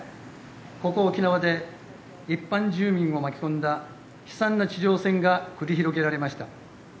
ここ、沖縄で一般住民を巻き込んだ悲惨な地上戦が繰り広げられました。